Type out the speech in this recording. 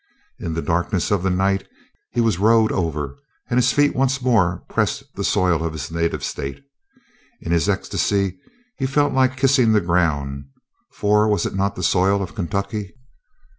In the darkness of the night he was rowed over, and his feet once more pressed the soil of his native state. In his ecstasy he felt like kissing the ground, for was it not the soil of Kentucky?